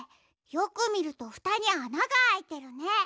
よくみるとふたにあながあいてるね。